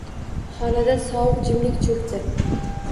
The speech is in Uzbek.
Xonada sovuq jimlik cho`kdi